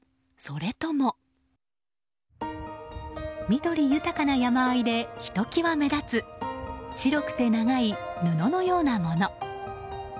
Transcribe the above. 緑豊かな山あいでひときわ目立つ白くて長い布のようなもの。